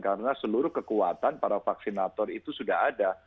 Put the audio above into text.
karena seluruh kekuatan para vaksinator itu sudah ada